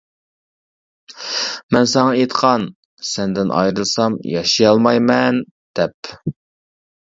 مەن ساڭا ئېيتقان، سەندىن ئايرىلسام ياشىيالمايمەن دەپ.